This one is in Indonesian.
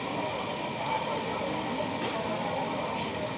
agar jangan cahitdepalatcome alone dianggara jelaatuk ke colonies washington